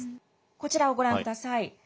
こちらをご覧ください。